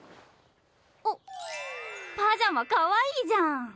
おっパジャマかわいいじゃん。